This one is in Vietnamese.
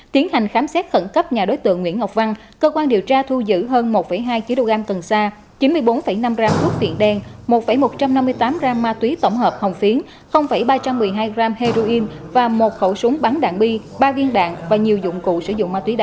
tiến hành khám xét khẩn cấp nhà đối tượng nguyễn ngọc văn cơ quan điều tra thu giữ hơn một hai kg cần sa chín mươi bốn năm gram thuốc viện đen một một trăm năm mươi tám gram ma túy tổng hợp hồng phiến ba trăm một mươi hai gram heroin và một khẩu súng bắn đạn bi ba viên đạn và nhiều dụng cụ sử dụng ma túy đá